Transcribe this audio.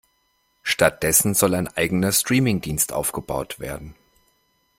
Stattdessen soll ein eigener Streaming-Dienst aufgebaut werden.